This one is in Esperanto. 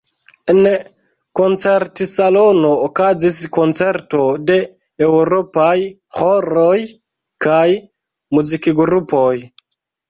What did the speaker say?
En koncertsalono okazis koncerto de eŭropaj ĥoroj kaj muzikgrupoj.